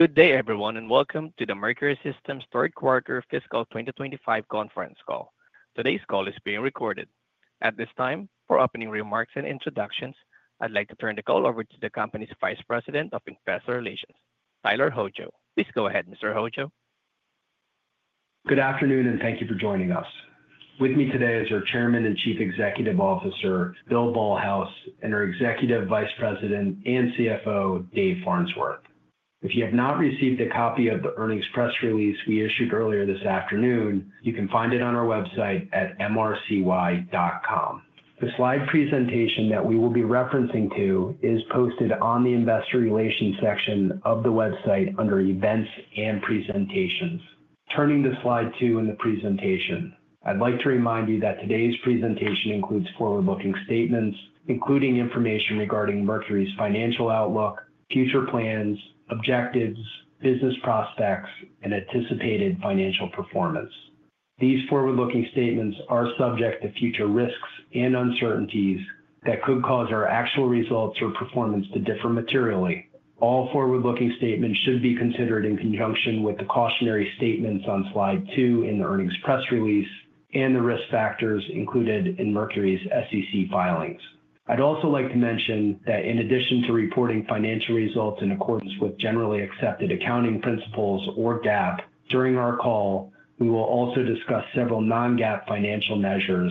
Good day, everyone, and welcome to the Mercury Systems Fiscal 2025 conference call. Today's call is being recorded. At this time, for opening remarks and introductions, I'd like to turn the call over to the company's Vice President of Investor Relations, Tyler Hojo. Please go ahead, Mr. Hojo. Good afternoon, and thank you for joining us. With me today is our Chairman and Chief Executive Officer, Bill Ballhaus, and our Executive Vice President and CFO, Dave Farnsworth. If you have not received a copy of the earnings press release we issued earlier this afternoon, you can find it on our website at mrcy.com. The slide presentation that we will be referencing to is posted on the Investor Relations section of the website under Events and Presentations. Turning to slide two in the presentation, I'd like to remind you that today's presentation includes forward-looking statements, including information regarding Mercury's financial outlook, future plans, objectives, business prospects, and anticipated financial performance. These forward-looking statements are subject to future risks and uncertainties that could cause our actual results or performance to differ materially. All forward-looking statements should be considered in conjunction with the cautionary statements on slide two in the earnings press release and the risk factors included in Mercury's SEC filings. I'd also like to mention that in addition to reporting financial results in accordance with generally accepted accounting principles or GAAP, during our call, we will also discuss several non-GAAP financial measures,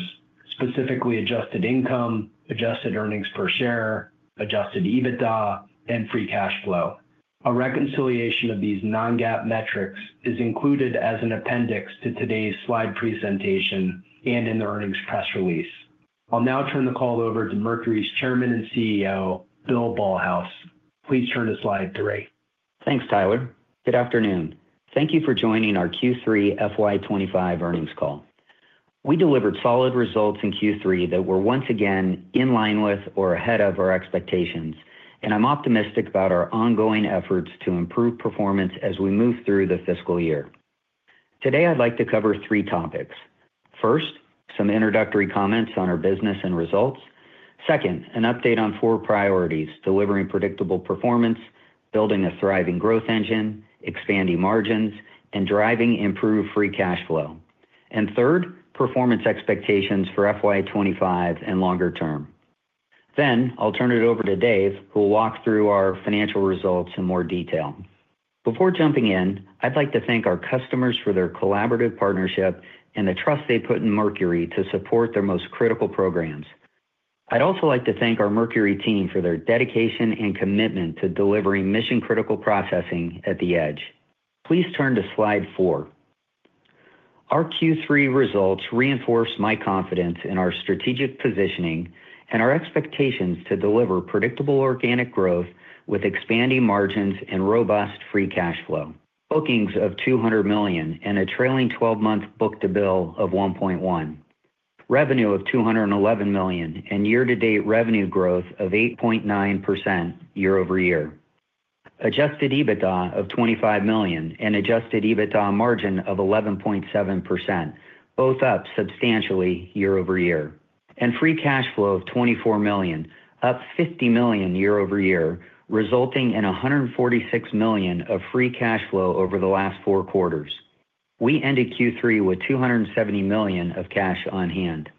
specifically adjusted income, adjusted earnings per share, adjusted EBITDA, and free cash flow. A reconciliation of these non-GAAP metrics is included as an appendix to today's slide presentation and in the earnings press release. I'll now turn the call over to Mercury's Chairman and CEO, Bill Ballhaus. Please turn to slide three. Thanks, Tyler. Good afternoon. Thank you for joining our Q3 FY 2025 earnings call. We delivered solid results in Q3 that were once again in line with or ahead of our expectations, and I'm optimistic about our ongoing efforts to improve performance as we move through the fiscal year. Today, I'd like to cover three topics. First, some introductory comments on our business and results. Second, an update on four priorities: delivering predictable performance, building a thriving growth engine, expanding margins, and driving improved free cash flow. Third, performance expectations for FY 2025 and longer term. I will turn it over to Dave, who will walk through our financial results in more detail. Before jumping in, I'd like to thank our customers for their collaborative partnership and the trust they put in Mercury to support their most critical programs. I'd also like to thank our Mercury team for their dedication and commitment to delivering mission-critical processing at the edge. Please turn to slide four. Our Q3 results reinforce my confidence in our strategic positioning and our expectations to deliver predictable organic growth with expanding margins and robust free cash flow. Bookings of $200 million and a trailing 12-month book-to-bill of 1.1. Revenue of $211 million and year-to-date revenue growth of 8.9% year-over-year. Adjusted EBITDA of $25 million and adjusted EBITDA margin of 11.7%, both up substantially year-over-year. Free cash flow of $24 million, up $50 million year-over-year, resulting in $146 million of free cash flow over the last four quarters. We ended Q3 with $270 million of cash on hand.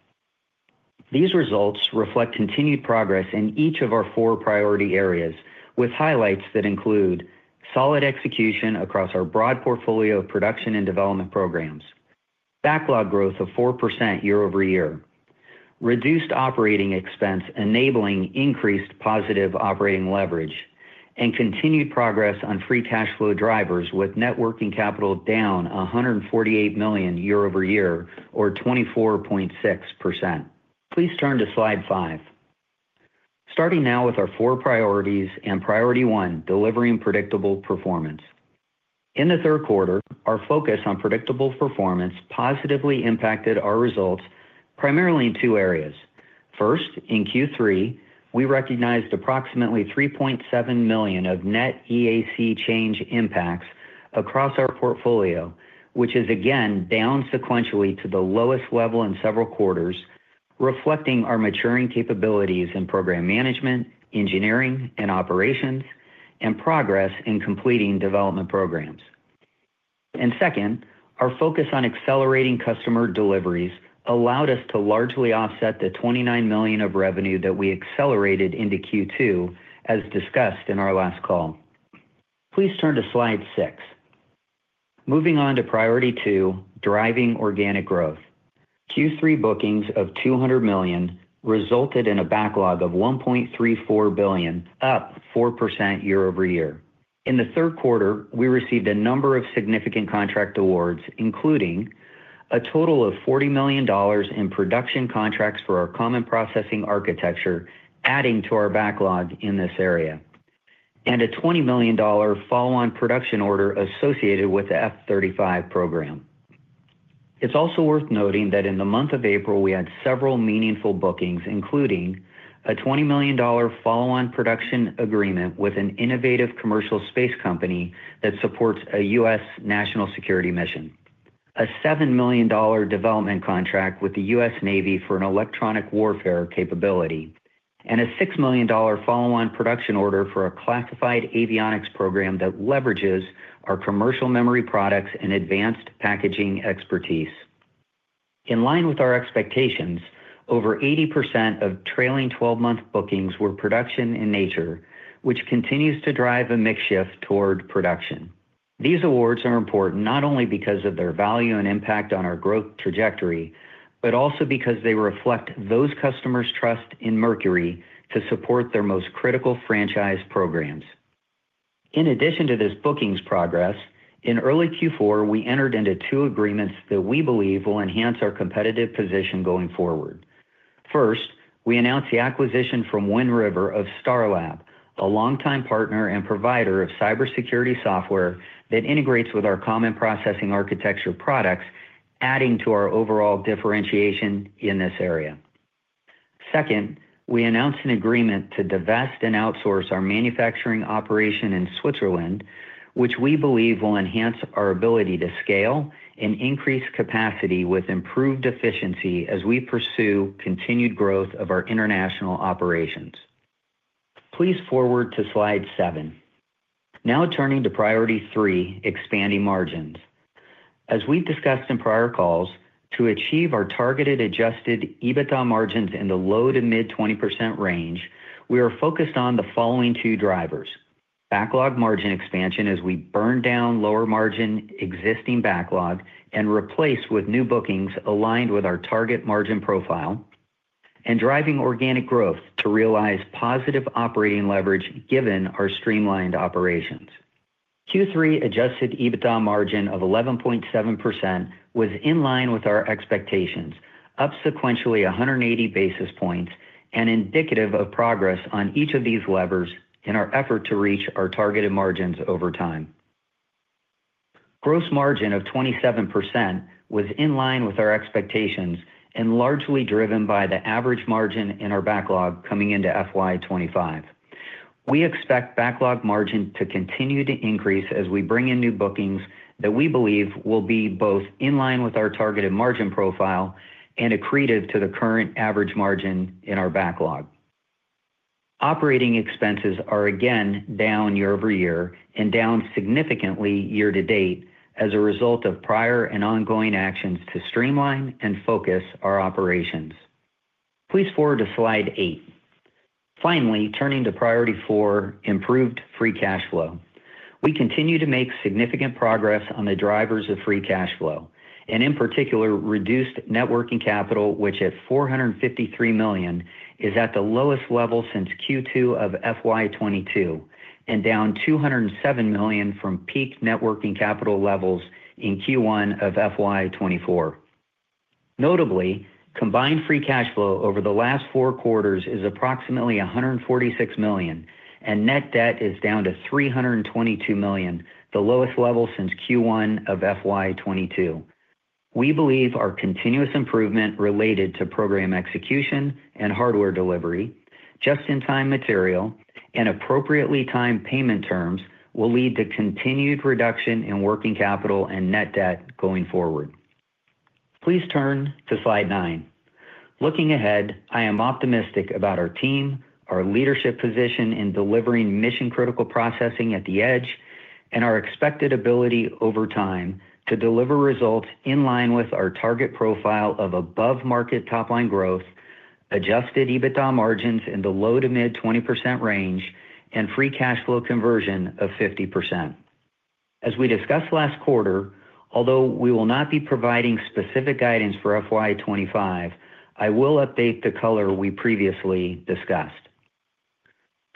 These results reflect continued progress in each of our four priority areas, with highlights that include solid execution across our broad portfolio of production and development programs, backlog growth of 4% year-over-year, reduced operating expense enabling increased positive operating leverage, and continued progress on free cash flow drivers with net working capital down $148 million year-over-year, or 24.6%. Please turn to slide five. Starting now with our four priorities and priority one, delivering predictable performance. In the third quarter, our focus on predictable performance positively impacted our results primarily in two areas. First, in Q3, we recognized approximately $3.7 million of net EAC change impacts across our portfolio, which is again down sequentially to the lowest level in several quarters, reflecting our maturing capabilities in program management, engineering, and operations, and progress in completing development programs. Our focus on accelerating customer deliveries allowed us to largely offset the $29 million of revenue that we accelerated into Q2, as discussed in our last call. Please turn to slide six. Moving on to priority two, driving organic growth. Q3 bookings of $200 million resulted in a backlog of $1.34 billion, up 4% year-over-year. In the third quarter, we received a number of significant contract awards, including a total of $40 million in production contracts for our Common Processing Architecture, adding to our backlog in this area, and a $20 million follow-on production order associated with the F-35 program. It's also worth noting that in the month of April, we had several meaningful bookings, including a $20 million follow-on production agreement with an innovative commercial space company that supports a U.S. national security mission, a $7 million development contract with the U.S. Navy for an electronic warfare capability, and a $6 million follow-on production order for a classified avionics program that leverages our commercial memory products and advanced packaging expertise. In line with our expectations, over 80% of trailing 12-month bookings were production in nature, which continues to drive a makeshift toward production. These awards are important not only because of their value and impact on our growth trajectory, but also because they reflect those customers' trust in Mercury to support their most critical franchise programs. In addition to this bookings progress, in early Q4, we entered into two agreements that we believe will enhance our competitive position going forward. First, we announced the acquisition from Wind River of Star Lab, a longtime partner and provider of cybersecurity software that integrates with our Common Processing Architecture products, adding to our overall differentiation in this area. Second, we announced an agreement to divest and outsource our manufacturing operation in Switzerland, which we believe will enhance our ability to scale and increase capacity with improved efficiency as we pursue continued growth of our international operations. Please forward to slide seven. Now turning to priority three, expanding margins. As we've discussed in prior calls, to achieve our targeted adjusted EBITDA margins in the low-to-mid-20% range, we are focused on the following two drivers: backlog margin expansion as we burn down lower margin existing backlog and replace with new bookings aligned with our target margin profile, and driving organic growth to realize positive operating leverage given our streamlined operations. Q3 adjusted EBITDA margin of 11.7% was in line with our expectations, up sequentially 180 basis points, and indicative of progress on each of these levers in our effort to reach our targeted margins over time. Gross margin of 27% was in line with our expectations and largely driven by the average margin in our backlog coming into FY 2025. We expect backlog margin to continue to increase as we bring in new bookings that we believe will be both in line with our targeted margin profile and accretive to the current average margin in our backlog. Operating expenses are again down year-over-year and down significantly year-to-date as a result of prior and ongoing actions to streamline and focus our operations. Please forward to slide eight. Finally, turning to priority four, improved free cash flow. We continue to make significant progress on the drivers of free cash flow, and in particular, reduced net working capital, which at $453 million is at the lowest level since Q2 of FY 2022 and down $207 million from peak net working capital levels in Q1 of FY 2024. Notably, combined free cash flow over the last four quarters is approximately $146 million, and net debt is down to $322 million, the lowest level since Q1 of FY 2022. We believe our continuous improvement related to program execution and hardware delivery, just-in-time material, and appropriately timed payment terms will lead to continued reduction in working capital and net debt going forward. Please turn to slide nine. Looking ahead, I am optimistic about our team, our leadership position in delivering mission-critical processing at the edge, and our expected ability over time to deliver results in line with our target profile of above-market top-line growth, adjusted EBITDA margins in the low-to-mid-20% range, and free cash flow conversion of 50%. As we discussed last quarter, although we will not be providing specific guidance for FY 2025, I will update the color we previously discussed.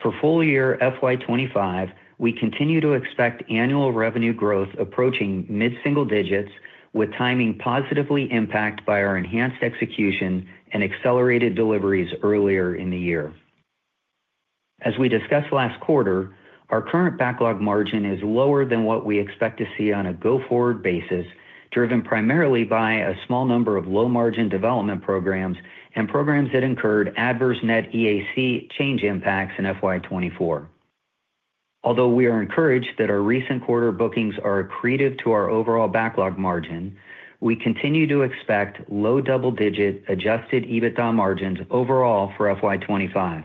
For full year FY 2025, we continue to expect annual revenue growth approaching mid-single digits, with timing positively impacted by our enhanced execution and accelerated deliveries earlier in the year. As we discussed last quarter, our current backlog margin is lower than what we expect to see on a go-forward basis, driven primarily by a small number of low-margin development programs and programs that incurred adverse net EAC change impacts in FY 2024. Although we are encouraged that our recent quarter bookings are accretive to our overall backlog margin, we continue to expect low double-digit adjusted EBITDA margins overall for FY 2025.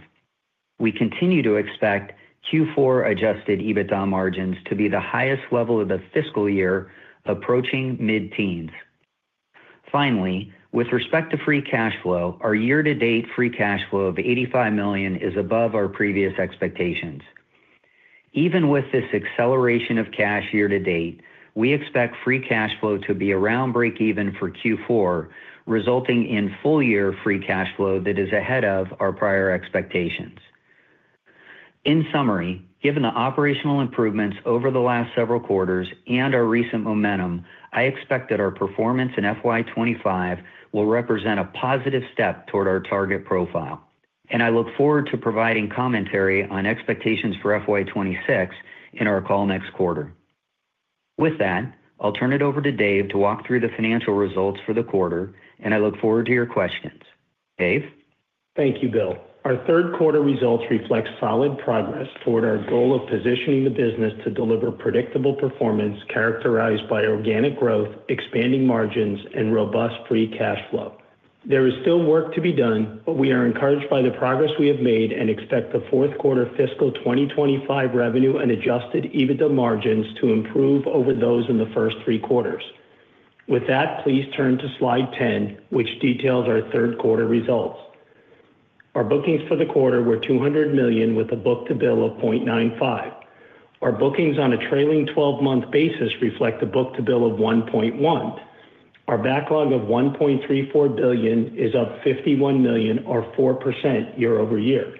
We continue to expect Q4 adjusted EBITDA margins to be the highest level of the fiscal year approaching mid-teens. Finally, with respect to free cash flow, our year-to-date free cash flow of $85 million is above our previous expectations. Even with this acceleration of cash year-to-date, we expect free cash flow to be around break-even for Q4, resulting in full year free cash flow that is ahead of our prior expectations. In summary, given the operational improvements over the last several quarters and our recent momentum, I expect that our performance in FY 2025 will represent a positive step toward our target profile, and I look forward to providing commentary on expectations for FY 2026 in our call next quarter. With that, I'll turn it over to Dave to walk through the financial results for the quarter, and I look forward to your questions. Dave? Thank you, Bill. Our third quarter results reflect solid progress toward our goal of positioning the business to deliver predictable performance characterized by organic growth, expanding margins, and robust free cash flow. There is still work to be done, but we are encouraged by the progress we have made and expect the fourth quarter fiscal 2025 revenue and adjusted EBITDA margins to improve over those in the first three quarters. With that, please turn to slide 10, which details our third quarter results. Our bookings for the quarter were $200 million with a book-to-bill of 0.95. Our bookings on a trailing 12-month basis reflect a book-to-bill of 1.1. Our backlog of $1.34 billion is up $51 million, or 4% year-over-year.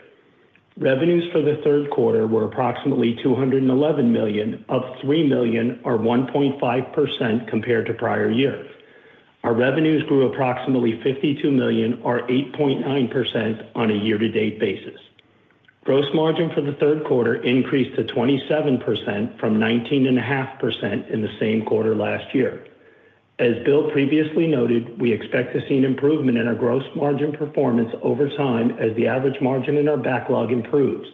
Revenues for the third quarter were approximately $211 million, up $3 million, or 1.5% compared to prior year. Our revenues grew approximately $52 million, or 8.9% on a year-to-date basis. Gross margin for the third quarter increased to 27% from 19.5% in the same quarter last year. As Bill previously noted, we expect to see an improvement in our gross margin performance over time as the average margin in our backlog improves.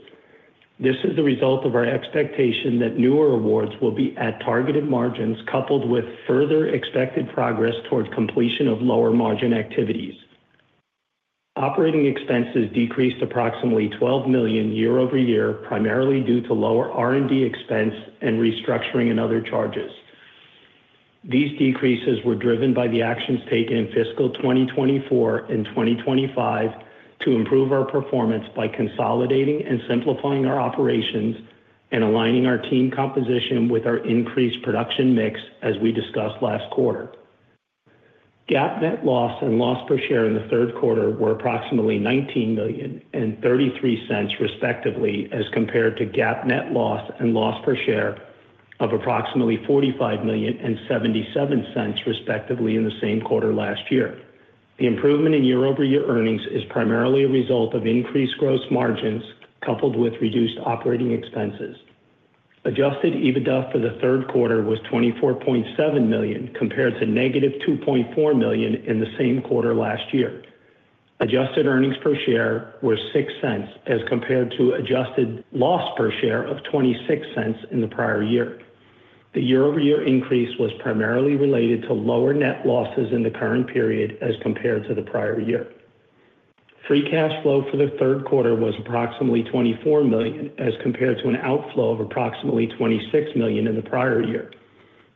This is the result of our expectation that newer awards will be at targeted margins coupled with further expected progress toward completion of lower margin activities. Operating expenses decreased approximately $12 million year-over-year, primarily due to lower R&D expense and restructuring and other charges. These decreases were driven by the actions taken in fiscal 2024 and 2025 to improve our performance by consolidating and simplifying our operations and aligning our team composition with our increased production mix, as we discussed last quarter. GAAP net loss and loss per share in the third quarter were approximately $19 million and $0.33, respectively, as compared to GAAP net loss and loss per share of approximately $45 million and $0.77, respectively, in the same quarter last year. The improvement in year-over-year earnings is primarily a result of increased gross margins coupled with reduced operating expenses. Adjusted EBITDA for the third quarter was $24.7 million compared to negative $2.4 million in the same quarter last year. Adjusted earnings per share were $0.06 as compared to adjusted loss per share of $0.26 in the prior year. The year-over-year increase was primarily related to lower net losses in the current period as compared to the prior year. Free cash flow for the third quarter was approximately $24 million as compared to an outflow of approximately $26 million in the prior year.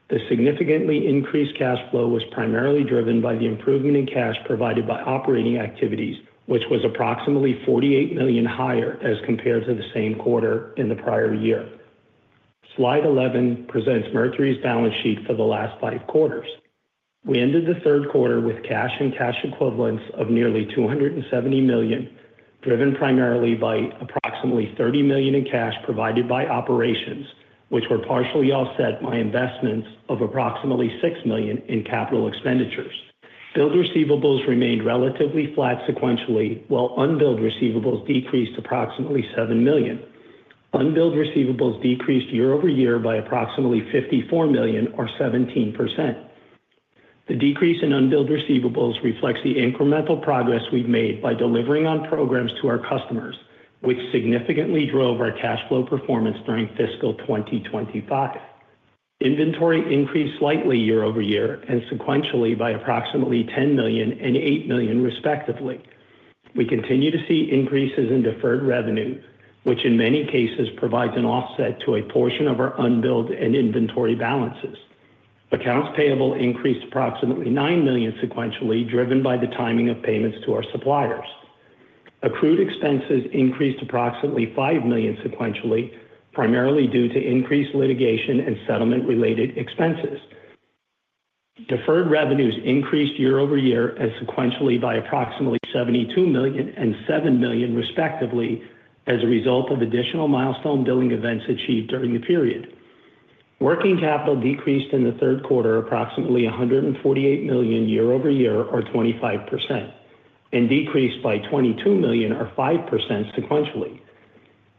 The significantly increased cash flow was primarily driven by the improvement in cash provided by operating activities, which was approximately $48 million higher as compared to the same quarter in the prior year. Slide 11 presents Mercury's balance sheet for the last five quarters. We ended the third quarter with cash and cash equivalents of nearly $270 million, driven primarily by approximately $30 million in cash provided by operations, which were partially offset by investments of approximately $6 million in capital expenditures. Billed receivables remained relatively flat sequentially, while unbilled receivables decreased approximately $7 million. Unbilled receivables decreased year-over-year by approximately $54 million, or 17%. The decrease in unbilled receivables reflects the incremental progress we've made by delivering on programs to our customers, which significantly drove our cash flow performance during fiscal 2025. Inventory increased slightly year-over-year and sequentially by approximately $10 million and $8 million, respectively. We continue to see increases in deferred revenue, which in many cases provides an offset to a portion of our unbilled and inventory balances. Accounts payable increased approximately $9 million sequentially, driven by the timing of payments to our suppliers. Accrued expenses increased approximately $5 million sequentially, primarily due to increased litigation and settlement-related expenses. Deferred revenues increased year-over-year and sequentially by approximately $72 million and $7 million, respectively, as a result of additional milestone billing events achieved during the period. Working capital decreased in the third quarter approximately $148 million year-over-year, or 25%, and decreased by $22 million, or 5%, sequentially.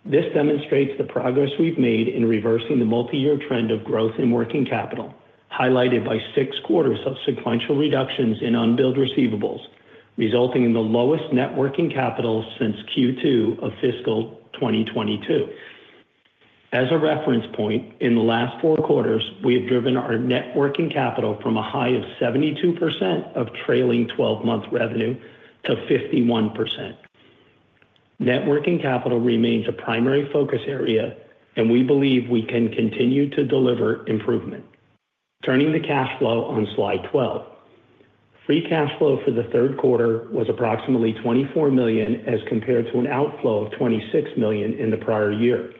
This demonstrates the progress we've made in reversing the multi-year trend of growth in working capital, highlighted by six quarters of sequential reductions in unbilled receivables, resulting in the lowest net working capital since Q2 of fiscal 2022. As a reference point, in the last four quarters, we have driven our net working capital from a high of 72% of trailing 12-month revenue to 51%. Net working capital remains a primary focus area, and we believe we can continue to deliver improvement. Turning to cash flow on slide 12, free cash flow for the third quarter was approximately $24 million as compared to an outflow of $26 million in the prior year.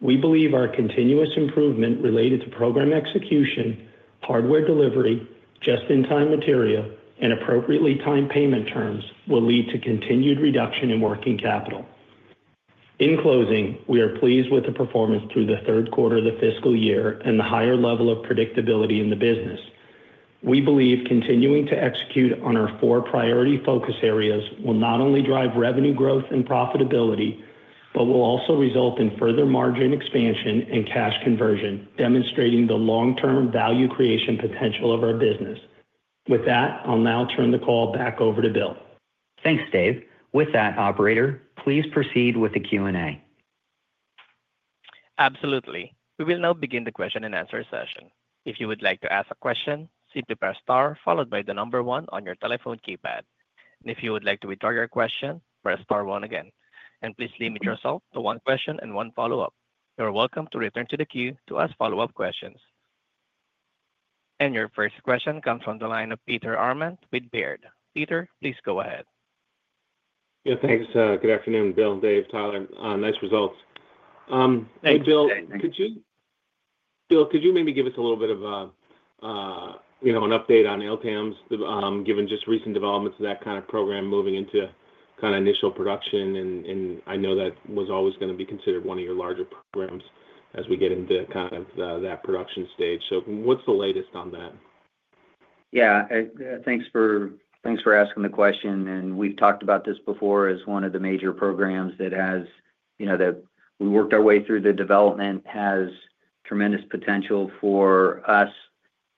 We believe our continuous improvement related to program execution, hardware delivery, just-in-time material, and appropriately timed payment terms will lead to continued reduction in working capital. In closing, we are pleased with the performance through the third quarter of the fiscal year and the higher level of predictability in the business. We believe continuing to execute on our four priority focus areas will not only drive revenue growth and profitability, but will also result in further margin expansion and cash conversion, demonstrating the long-term value creation potential of our business. With that, I'll now turn the call back over to Bill. Thanks, Dave. With that, Operator, please proceed with the Q&A. Absolutely. We will now begin the question-and-answer session. If you would like to ask a question, simply press star followed by the number one on your telephone keypad. If you would like to withdraw your question, press star one again. Please limit yourself to one question and one follow-up. You're welcome to return to the queue to ask follow-up questions. Your first question comes from the line of Peter Arment with Baird. Peter, please go ahead. Yeah, thanks. Good afternoon, Bill, Dave, Tyler. Nice results. Thanks. Hey, Bill, could you maybe give us a little bit of an update on LTAMDS, given just recent developments of that kind of program moving into kind of initial production? I know that was always going to be considered one of your larger programs as we get into kind of that production stage. What is the latest on that? Yeah, thanks for asking the question. We've talked about this before as one of the major programs that we worked our way through. The development has tremendous potential for us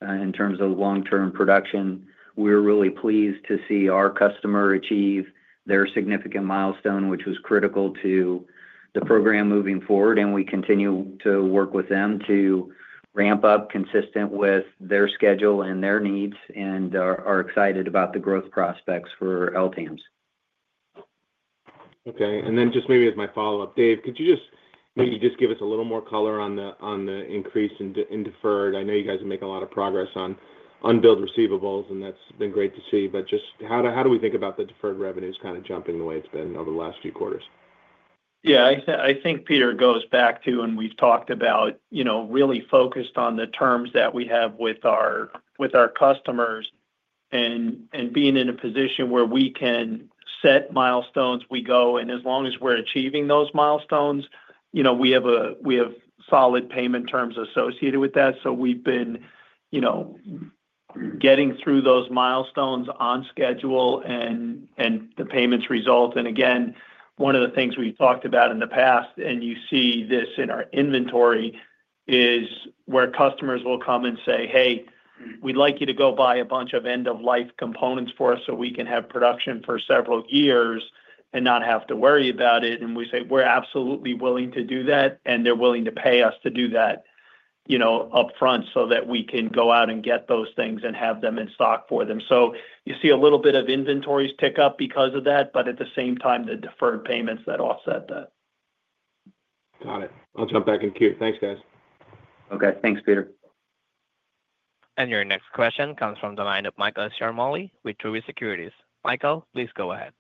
in terms of long-term production. We're really pleased to see our customer achieve their significant milestone, which was critical to the program moving forward. We continue to work with them to ramp up consistent with their schedule and their needs and are excited about the growth prospects for LTAMDS. Okay. And then just maybe as my follow-up, Dave, could you just maybe just give us a little more color on the increase in deferred? I know you guys are making a lot of progress on unbilled receivables, and that's been great to see. But just how do we think about the deferred revenues kind of jumping the way it's been over the last few quarters? Yeah, I think Peter goes back to when we've talked about really focused on the terms that we have with our customers and being in a position where we can set milestones we go. As long as we're achieving those milestones, we have solid payment terms associated with that. We've been getting through those milestones on schedule and the payments result. One of the things we've talked about in the past, and you see this in our inventory, is where customers will come and say, "Hey, we'd like you to go buy a bunch of end-of-life components for us so we can have production for several years and not have to worry about it." We say, "We're absolutely willing to do that," and they're willing to pay us to do that upfront so that we can go out and get those things and have them in stock for them. You see a little bit of inventories tick up because of that, but at the same time, the deferred payments that offset that. Got it. I'll jump back in queue. Thanks, guys. Okay. Thanks, Peter. Your next question comes from the line of Michael Ciarmoli with Truist Securities. Michael, please go ahead.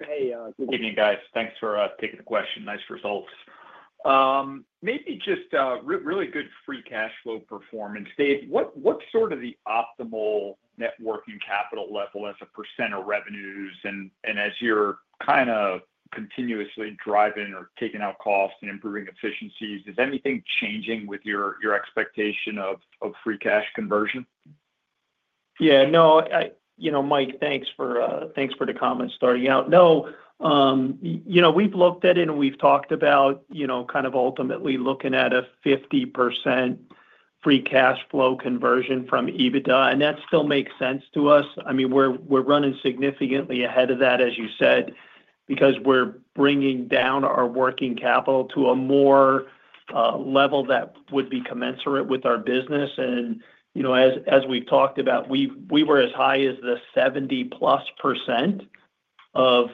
Hey, good evening, guys. Thanks for taking the question. Nice results. Maybe just really good free cash flow performance. Dave, what's sort of the optimal net working capital level as a percent of revenues? As you're kind of continuously driving or taking out costs and improving efficiencies, is anything changing with your expectation of free cash conversion? Yeah. No, Mike, thanks for the comment starting out. No, we've looked at it and we've talked about kind of ultimately looking at a 50% free cash flow conversion from EBITDA, and that still makes sense to us. I mean, we're running significantly ahead of that, as you said, because we're bringing down our working capital to a more level that would be commensurate with our business. And as we've talked about, we were as high as the 70+% of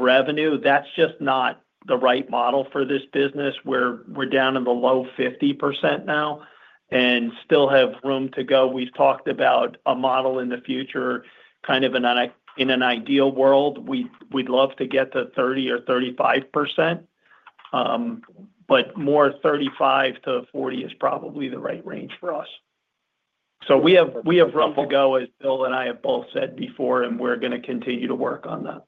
revenue. That's just not the right model for this business. We're down in the low 50% now and still have room to go. We've talked about a model in the future, kind of in an ideal world, we'd love to get to 30 or 35%, but more 35-40% is probably the right range for us. We have room to go, as Bill and I have both said before, and we're going to continue to work on that.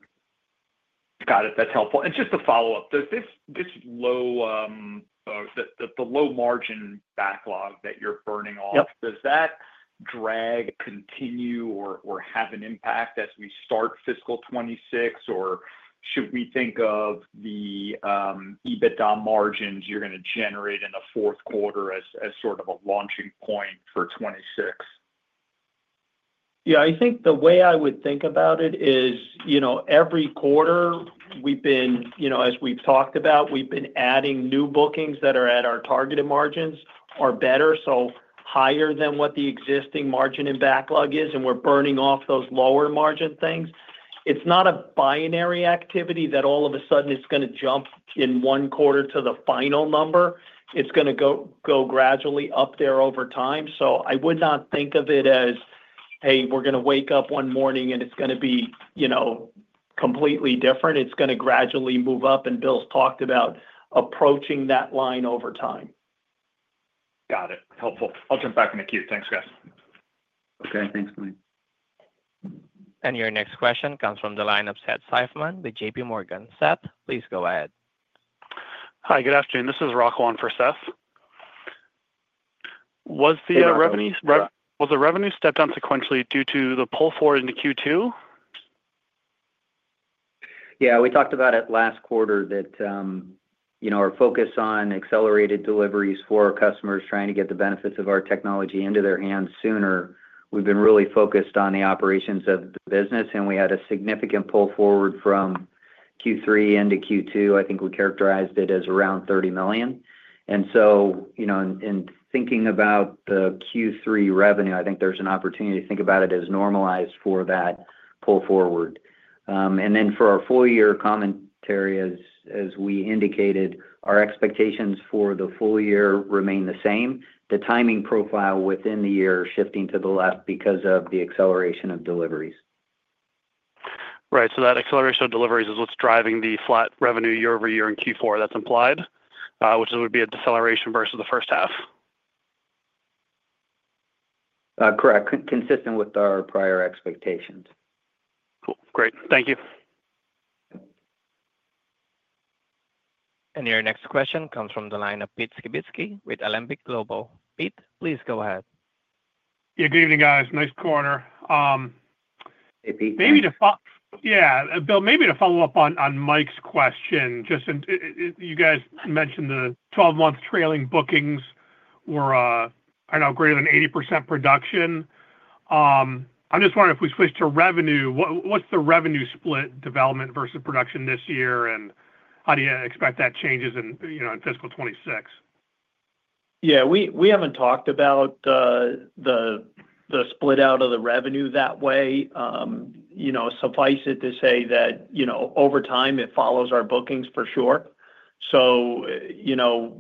Got it. That's helpful. Just to follow-up, does this low margin backlog that you're burning off, does that drag, continue, or have an impact as we start fiscal 2026? Should we think of the EBITDA margins you're going to generate in the fourth quarter as sort of a launching point for 2026? Yeah, I think the way I would think about it is every quarter, as we've talked about, we've been adding new bookings that are at our targeted margins or better, so higher than what the existing margin and backlog is, and we're burning off those lower margin things. It's not a binary activity that all of a sudden it's going to jump in one quarter to the final number. It's going to go gradually up there over time. I would not think of it as, "Hey, we're going to wake up one morning and it's going to be completely different." It's going to gradually move up, and Bill's talked about approaching that line over time. Got it. Helpful. I'll jump back in the queue. Thanks, guys. Okay. Thanks, Mike. Your next question comes from the line of Seth Seifman with JPMorgan. Seth, please go ahead. Hi, good afternoon. This is Rukhwan for Seth. Was the revenue stepped down sequentially due to the pull forward into Q2? Yeah, we talked about it last quarter, that our focus on accelerated deliveries for our customers, trying to get the benefits of our technology into their hands sooner. We've been really focused on the operations of the business, and we had a significant pull forward from Q3 into Q2. I think we characterized it as around $30 million. In thinking about the Q3 revenue, I think there's an opportunity to think about it as normalized for that pull forward. For our full-year commentary, as we indicated, our expectations for the full year remain the same. The timing profile within the year is shifting to the left because of the acceleration of deliveries. Right. So that acceleration of deliveries is what's driving the flat revenue year-over-year in Q4 that's implied, which would be a deceleration versus the first half. Correct. Consistent with our prior expectations. Cool. Great. Thank you. Your next question comes from the line of Pete Skibitski with Alembic Global. Pete, please go ahead. Yeah, good evening, guys. Nice quarter. Hey, Pete. Yeah, Bill, maybe to follow-up on Mike's question, just you guys mentioned the 12-month trailing bookings were greater than 80% production. I'm just wondering if we switch to revenue, what's the revenue split development versus production this year, and how do you expect that changes in fiscal 2026? Yeah, we haven't talked about the split out of the revenue that way. Suffice it to say that over time, it follows our bookings for sure.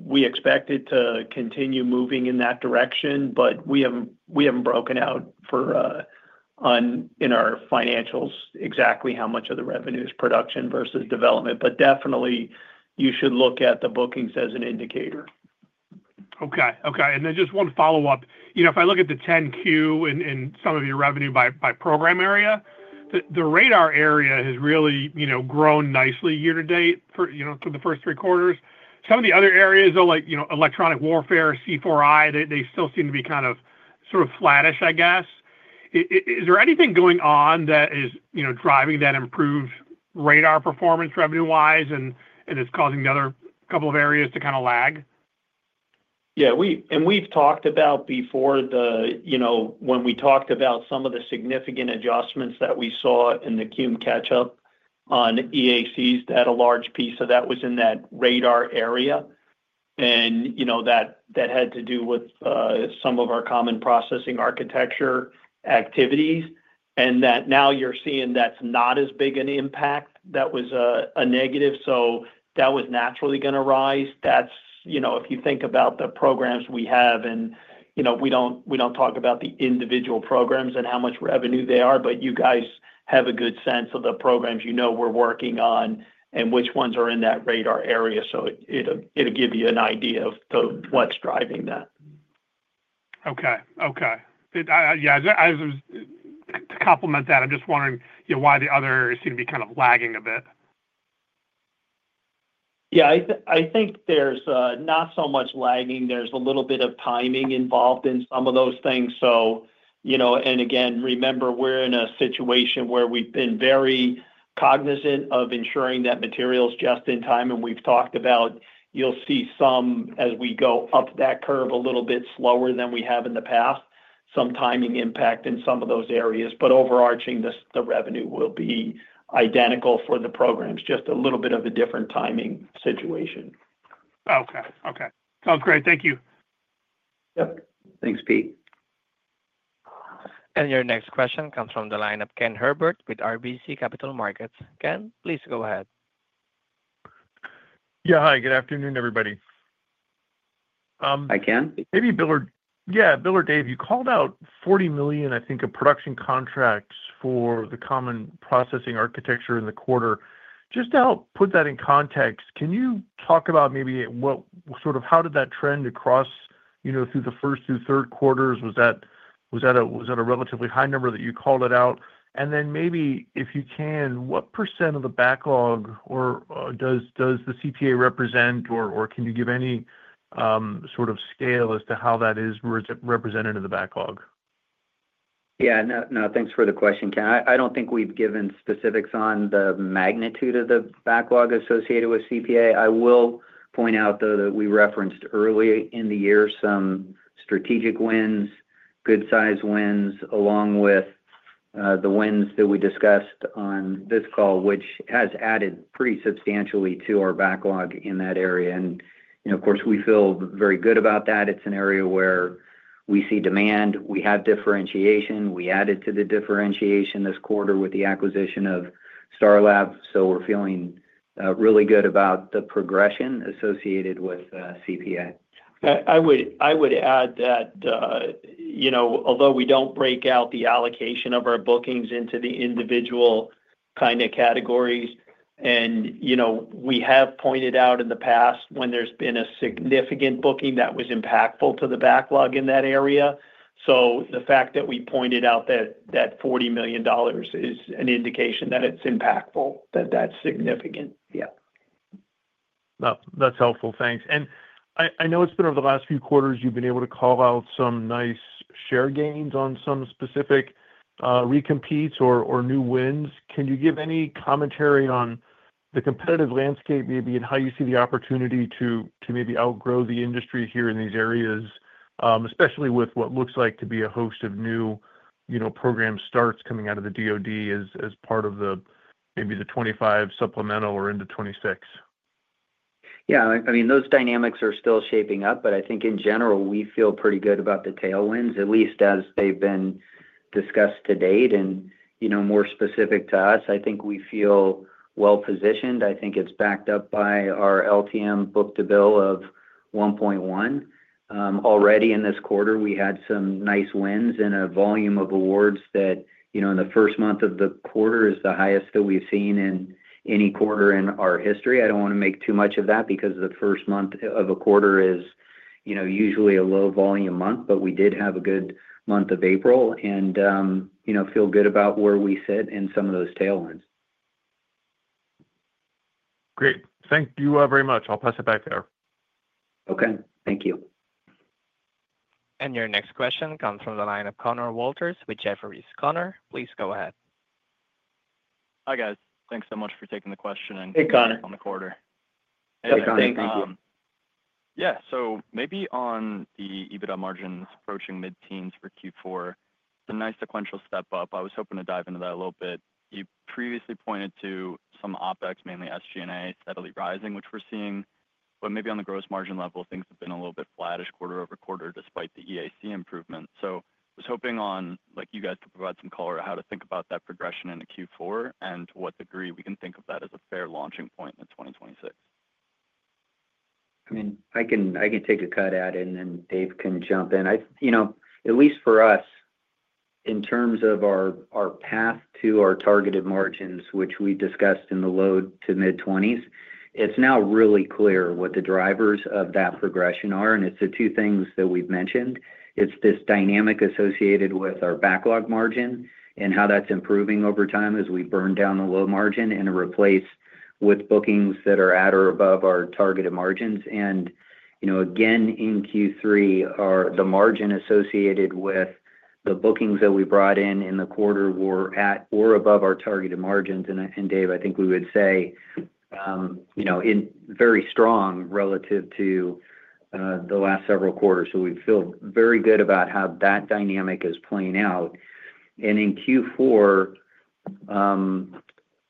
We expect it to continue moving in that direction, but we haven't broken out in our financials exactly how much of the revenue is production versus development. Definitely, you should look at the bookings as an indicator. Okay. Okay. And then just one follow-up. If I look at the 10Q and some of your revenue by program area, the radar area has really grown nicely year-to-date through the first three quarters. Some of the other areas, like electronic warfare, C4I, they still seem to be kind of sort of flattish, I guess. Is there anything going on that is driving that improved radar performance revenue-wise, and it's causing the other couple of areas to kind of lag? Yeah. We've talked about before when we talked about some of the significant adjustments that we saw in the QM catch-up on EACs, that a large piece of that was in that radar area. That had to do with some of our Common Processing Architecture activities. Now you're seeing that's not as big an impact. That was a negative. That was naturally going to rise. If you think about the programs we have, and we don't talk about the individual programs and how much revenue they are, but you guys have a good sense of the programs you know we're working on and which ones are in that radar area. It'll give you an idea of what's driving that. Okay. Okay. Yeah. To complement that, I'm just wondering why the other areas seem to be kind of lagging a bit. Yeah. I think there's not so much lagging. There's a little bit of timing involved in some of those things. Again, remember, we're in a situation where we've been very cognizant of ensuring that materials just in time. We've talked about you'll see some as we go up that curve a little bit slower than we have in the past, some timing impact in some of those areas. Overarching, the revenue will be identical for the programs, just a little bit of a different timing situation. Okay. Okay. Sounds great. Thank you. Yep. Thanks, Pete. Your next question comes from the line of Ken Herbert with RBC Capital Markets. Ken, please go ahead. Yeah. Hi. Good afternoon, everybody. Hi, Ken. Maybe Bill or yeah, Bill or Dave, you called out $40 million, I think, of production contracts for the Common Processing Architecture in the quarter. Just to help put that in context, can you talk about maybe sort of how did that trend across through the first through third quarters? Was that a relatively high number that you called it out? And then maybe, if you can, what % of the backlog does the CPA represent, or can you give any sort of scale as to how that is represented in the backlog? Yeah. No, thanks for the question, Ken. I do not think we have given specifics on the magnitude of the backlog associated with CPA. I will point out, though, that we referenced earlier in the year some strategic wins, good-sized wins, along with the wins that we discussed on this call, which has added pretty substantially to our backlog in that area. Of course, we feel very good about that. It is an area where we see demand. We have differentiation. We added to the differentiation this quarter with the acquisition of Star Lab. We are feeling really good about the progression associated with CPA. I would add that although we do not break out the allocation of our bookings into the individual kind of categories, we have pointed out in the past when there has been a significant booking that was impactful to the backlog in that area. The fact that we pointed out that $40 million is an indication that it is impactful, that that is significant. Yeah. That's helpful. Thanks. I know it's been over the last few quarters you've been able to call out some nice share gains on some specific recompetes or new wins. Can you give any commentary on the competitive landscape maybe and how you see the opportunity to maybe outgrow the industry here in these areas, especially with what looks like to be a host of new program starts coming out of the DOD as part of maybe the 2025 supplemental or into 2026? Yeah. I mean, those dynamics are still shaping up, but I think in general, we feel pretty good about the tailwinds, at least as they've been discussed to date and more specific to us. I think we feel well-positioned. I think it's backed up by our LTM book-to-bill of 1.1. Already in this quarter, we had some nice wins and a volume of awards that in the first month of the quarter is the highest that we've seen in any quarter in our history. I don't want to make too much of that because the first month of a quarter is usually a low-volume month, but we did have a good month of April and feel good about where we sit in some of those tailwinds. Great. Thank you very much. I'll pass it back there. Okay. Thank you. Your next question comes from the line of Conor Walters with Jefferies. Conor, please go ahead. Hi, guys. Thanks so much for taking the question. Hey, Connor. On the quarter. Hey, guys. Thanks, guys. Thank you. Yeah. Maybe on the EBITDA margins approaching mid-teens for Q4, it's a nice sequential step up. I was hoping to dive into that a little bit. You previously pointed to some OPEX, mainly SG&A, steadily rising, which we're seeing. Maybe on the gross margin level, things have been a little bit flattish quarter over quarter despite the EAC improvement. I was hoping you guys could provide some color on how to think about that progression in Q4 and to what degree we can think of that as a fair launching point in 2026. I mean, I can take a cut at it, and then Dave can jump in. At least for us, in terms of our path to our targeted margins, which we discussed in the low-to-mid-20s, it's now really clear what the drivers of that progression are. It's the two things that we've mentioned. It's this dynamic associated with our backlog margin and how that's improving over time as we burn down the low margin and replace with bookings that are at or above our targeted margins. Again, in Q3, the margin associated with the bookings that we brought in in the quarter were at or above our targeted margins. Dave, I think we would say very strong relative to the last several quarters. We feel very good about how that dynamic is playing out. In Q4,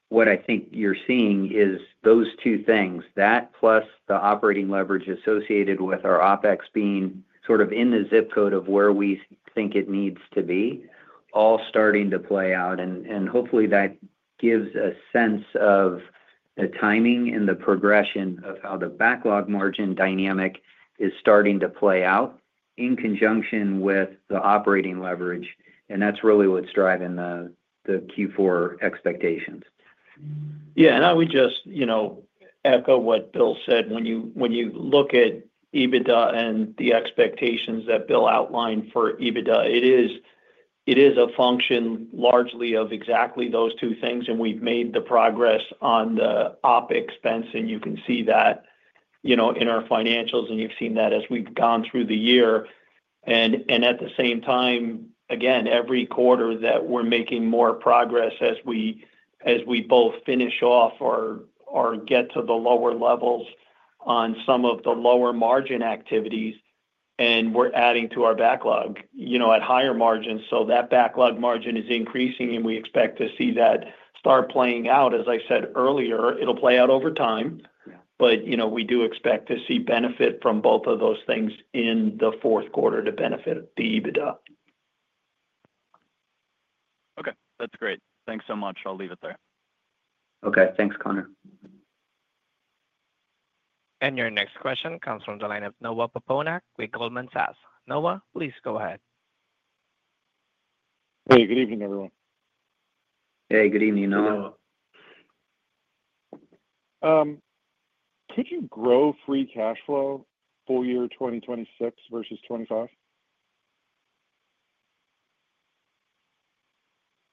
what I think you're seeing is those two things, that plus the operating leverage associated with our OPEX being sort of in the zip code of where we think it needs to be, all starting to play out. Hopefully, that gives a sense of the timing and the progression of how the backlog margin dynamic is starting to play out in conjunction with the operating leverage. That's really what's driving the Q4 expectations. Yeah. I would just echo what Bill said. When you look at EBITDA and the expectations that Bill outlined for EBITDA, it is a function largely of exactly those two things. We've made the progress on the OpEx spend, and you can see that in our financials, and you've seen that as we've gone through the year. At the same time, every quarter we are making more progress as we both finish off or get to the lower levels on some of the lower margin activities, and we are adding to our backlog at higher margins. That backlog margin is increasing, and we expect to see that start playing out. As I said earlier, it will play out over time, but we do expect to see benefit from both of those things in the fourth quarter to benefit the EBITDA. Okay. That's great. Thanks so much. I'll leave it there. Okay. Thanks, Conor. Your next question comes from the line of Noah Poponak with Goldman Sachs. Noah, please go ahead. Hey, good evening, everyone. Hey, good evening, Noah. Could you grow free cash flow full year 2026 versus 2025?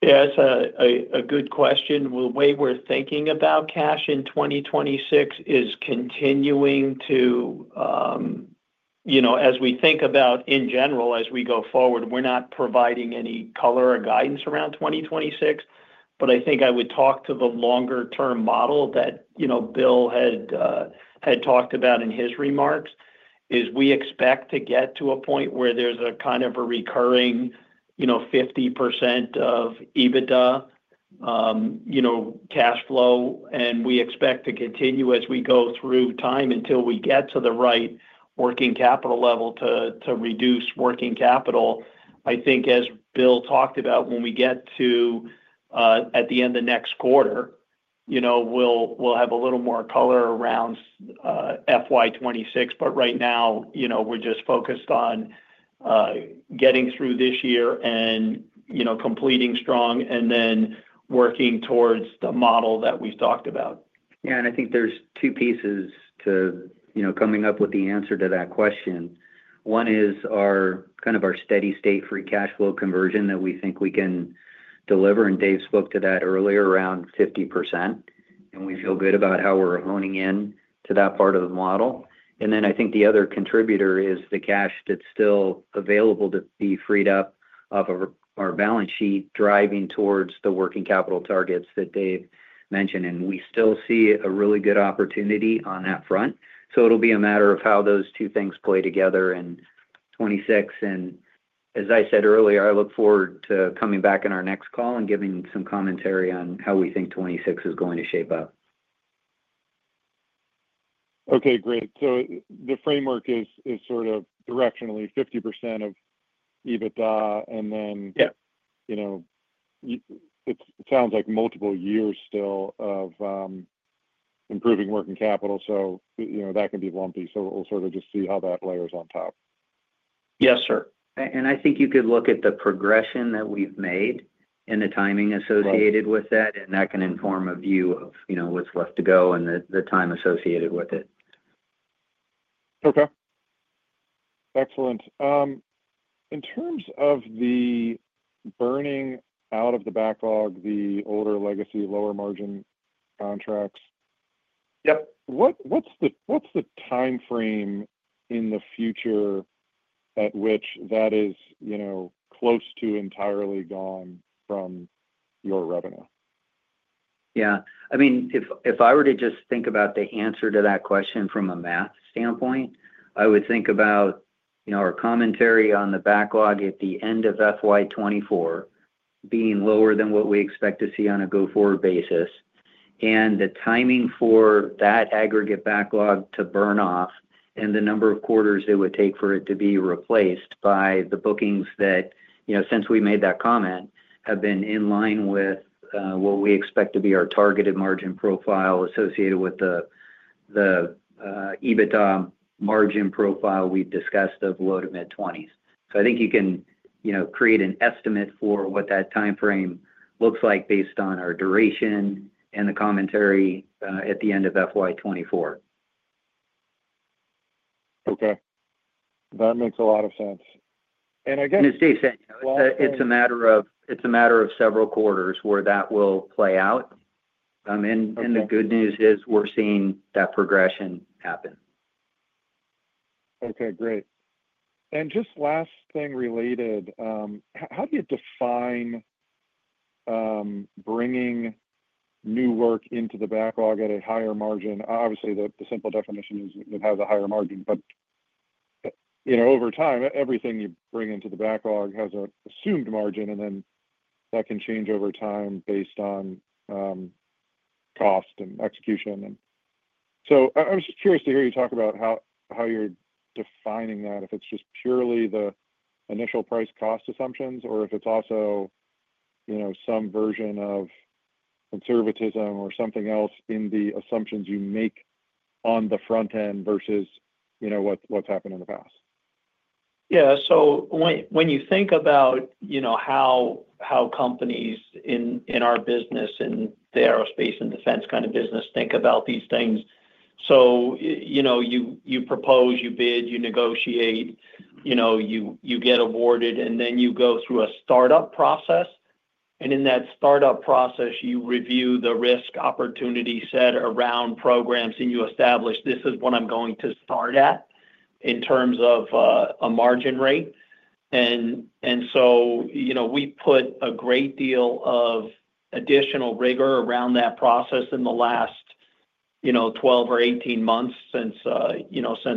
Yeah. That's a good question. The way we're thinking about cash in 2026 is continuing to, as we think about in general, as we go forward, we're not providing any color or guidance around 2026. I think I would talk to the longer-term model that Bill had talked about in his remarks is we expect to get to a point where there's a kind of a recurring 50% of EBITDA cash flow, and we expect to continue as we go through time until we get to the right working capital level to reduce working capital. I think, as Bill talked about, when we get to at the end of next quarter, we'll have a little more color around FY 2026. Right now, we're just focused on getting through this year and completing strong and then working towards the model that we've talked about. Yeah. I think there's two pieces to coming up with the answer to that question. One is kind of our steady state free cash flow conversion that we think we can deliver. Dave spoke to that earlier, around 50%, and we feel good about how we're honing in to that part of the model. I think the other contributor is the cash that's still available to be freed up off of our balance sheet driving towards the working capital targets that Dave mentioned. We still see a really good opportunity on that front. It'll be a matter of how those two things play together in 2026. As I said earlier, I look forward to coming back in our next call and giving some commentary on how we think 2026 is going to shape up. Okay. Great. The framework is sort of directionally 50% of EBITDA, and then it sounds like multiple years still of improving working capital. That can be lumpy. We'll sort of just see how that layers on top. Yes, sir. I think you could look at the progression that we've made and the timing associated with that, and that can inform a view of what's left to go and the time associated with it. Okay. Excellent. In terms of the burning out of the backlog, the older legacy lower margin contracts, what's the timeframe in the future at which that is close to entirely gone from your revenue? Yeah. I mean, if I were to just think about the answer to that question from a math standpoint, I would think about our commentary on the backlog at the end of FY 2024 being lower than what we expect to see on a go-forward basis and the timing for that aggregate backlog to burn off and the number of quarters it would take for it to be replaced by the bookings that, since we made that comment, have been in line with what we expect to be our targeted margin profile associated with the EBITDA margin profile we've discussed of low-to-mid-20s. I think you can create an estimate for what that timeframe looks like based on our duration and the commentary at the end of FY 2024. Okay. That makes a lot of sense. I guess. As Dave said, it's a matter of several quarters where that will play out. The good news is we're seeing that progression happen. Okay. Great. Just last thing related, how do you define bringing new work into the backlog at a higher margin? Obviously, the simple definition is it has a higher margin, but over time, everything you bring into the backlog has an assumed margin, and then that can change over time based on cost and execution. I was just curious to hear you talk about how you're defining that, if it's just purely the initial price-cost assumptions or if it's also some version of conservatism or something else in the assumptions you make on the front end versus what's happened in the past. Yeah. When you think about how companies in our business, in the aerospace and defense kind of business, think about these things, you propose, you bid, you negotiate, you get awarded, and then you go through a startup process. In that startup process, you review the risk opportunity set around programs, and you establish, "This is what I'm going to start at in terms of a margin rate." We put a great deal of additional rigor around that process in the last 12 or 18 months since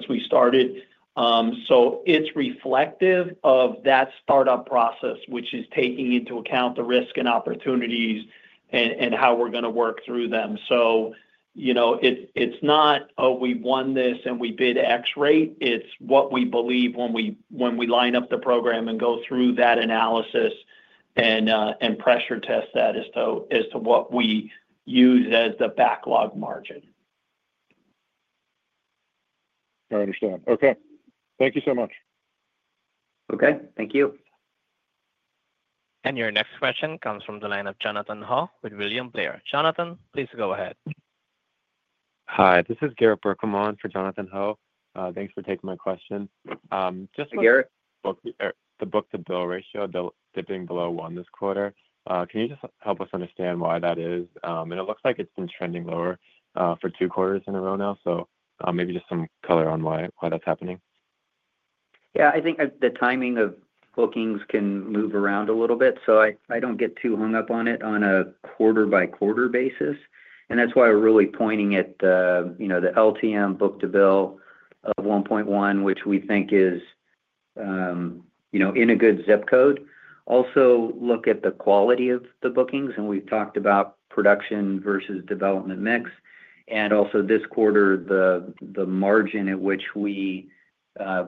we started. It is reflective of that startup process, which is taking into account the risk and opportunities and how we're going to work through them. It is not, "Oh, we won this and we bid X rate." It is what we believe when we line up the program and go through that analysis and pressure test that as to what we use as the backlog margin. I understand. Okay. Thank you so much. Okay. Thank you. Your next question comes from the line of Jonathan Ho with William Blair. Jonathan, please go ahead. Hi. This is Garrett Berkham for Jonathan Ho. Thanks for taking my question. Just. Hey, Garrett. The book-to-bill ratio, they're dipping below one this quarter. Can you just help us understand why that is? It looks like it's been trending lower for two quarters in a row now. Maybe just some color on why that's happening. Yeah. I think the timing of bookings can move around a little bit. I do not get too hung up on it on a quarter-by-quarter basis. That is why we are really pointing at the LTM book-to-bill of 1.1, which we think is in a good zip code. Also, look at the quality of the bookings. We have talked about production versus development mix. Also, this quarter, the margin at which we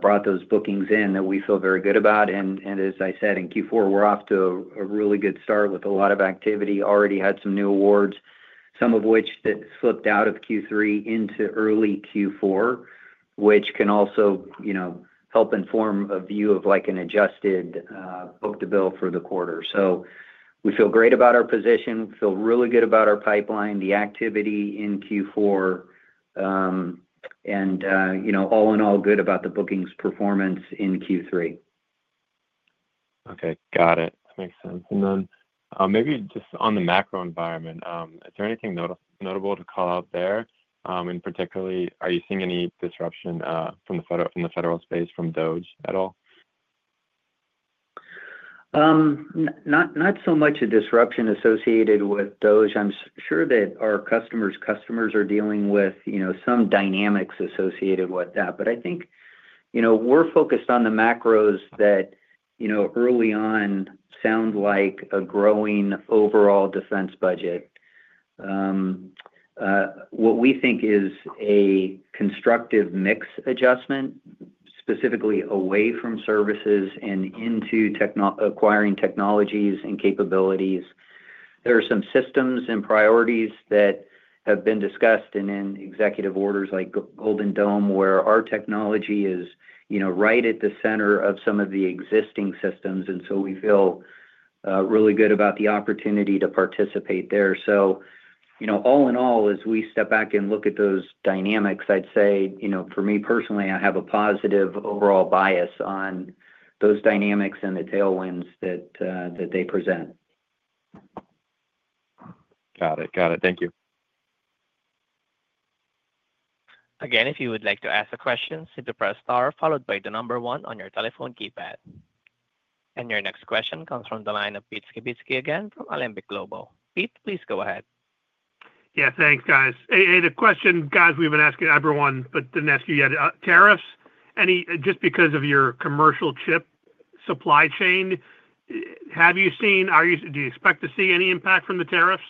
brought those bookings in that we feel very good about. As I said, in Q4, we are off to a really good start with a lot of activity. Already had some new awards, some of which slipped out of Q3 into early Q4, which can also help inform a view of an adjusted book-to-bill for the quarter. We feel great about our position. We feel really good about our pipeline, the activity in Q4, and all in all, good about the bookings performance in Q3. Okay. Got it. That makes sense. Maybe just on the macro environment, is there anything notable to call out there? Particularly, are you seeing any disruption from the federal space from DOGE at all? Not so much a disruption associated with DOGE. I'm sure that our customers' customers are dealing with some dynamics associated with that. I think we're focused on the macros that early on sound like a growing overall defense budget. What we think is a constructive mix adjustment, specifically away from services and into acquiring technologies and capabilities. There are some systems and priorities that have been discussed and in executive orders like Golden Dome, where our technology is right at the center of some of the existing systems. We feel really good about the opportunity to participate there. All in all, as we step back and look at those dynamics, I'd say for me personally, I have a positive overall bias on those dynamics and the tailwinds that they present. Got it. Got it. Thank you. Again, if you would like to ask a question, press star followed by the number one on your telephone keypad. Your next question comes from the line of Pete Skibitski again from Alembic Global. Pete, please go ahead. Yeah. Thanks, guys. A question, guys, we've been asking everyone, but didn't ask you yet. Tariffs, just because of your commercial chip supply chain, have you seen, do you expect to see any impact from the tariffs?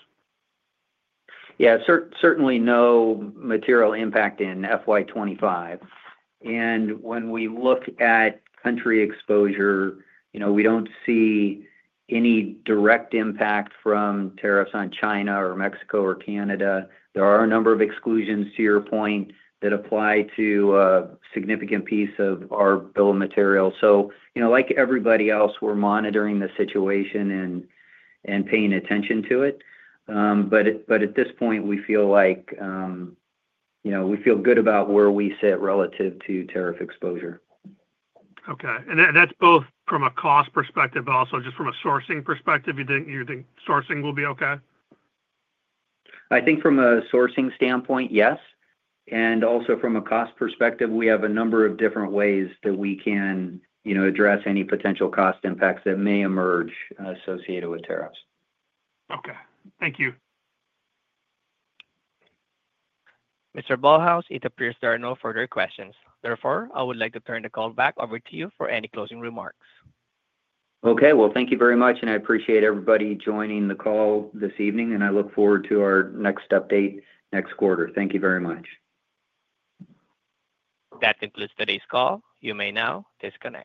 Yeah. Certainly no material impact in FY 2025. When we look at country exposure, we do not see any direct impact from tariffs on China or Mexico or Canada. There are a number of exclusions, to your point, that apply to a significant piece of our bill of materials. Like everybody else, we are monitoring the situation and paying attention to it. At this point, we feel like we feel good about where we sit relative to tariff exposure. Okay. That is both from a cost perspective, but also just from a sourcing perspective. You think sourcing will be okay? I think from a sourcing standpoint, yes. Also from a cost perspective, we have a number of different ways that we can address any potential cost impacts that may emerge associated with tariffs. Okay. Thank you. Mr. Ballhaus, it appears there are no further questions. Therefore, I would like to turn the call back over to you for any closing remarks. Okay. Thank you very much. I appreciate everybody joining the call this evening, and I look forward to our next update next quarter. Thank you very much. That concludes today's call. You may now disconnect.